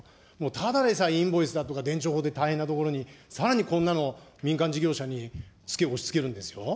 ただでさえ、インボイスとかで大変なところに、さらにこんなのを民間事業者につけを押しつけるんですか。